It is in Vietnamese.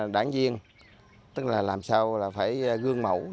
đảng viên tức là làm sao là phải gương mẫu